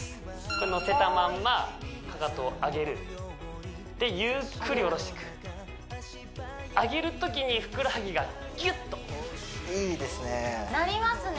乗せたまんまかかとを上げるでゆっくり下ろしてく上げるときにふくらはぎがギュッといいですねなりますね